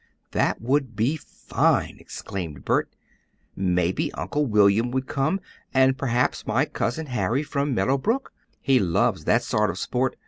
"That would be fine!" exclaimed Bert. "Maybe Uncle William would come, and perhaps my Cousin Harry, from Meadow Brook. He loves that sort of sport.